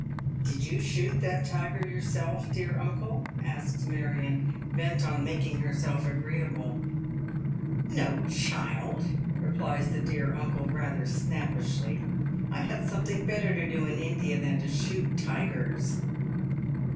" Did you shoot that tiger yourself, dear uncle ?" asks Marion, bent on making herself agreeable. " No, child," replies the dear uncle rather snappishly, " I had something better to do iu India than to shoot tigers."